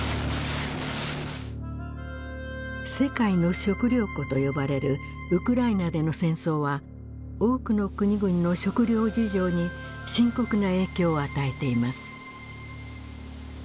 世界の食糧庫と呼ばれるウクライナでの戦争は多くの国々の食料事情に深刻な影響を与えています。